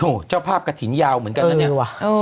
โอ้โหเจ้าภาพกระถิ่นยาวเหมือนกันนะเนี่ย